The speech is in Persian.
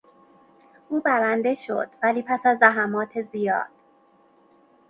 او برنده شد ولی پس از زحمات زیاد.